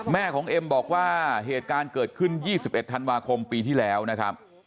แม่ของเอ็มบอกว่าเหตุการณ์เกิดขึ้น๒๑ธันวาคมปีที่แล้วนะครับ